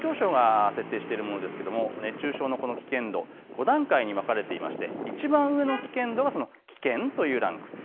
環境省が設定しているものですけれども、熱中症の危険度、５段階に分かれていまして、いちばん上の危険度は危険というランク。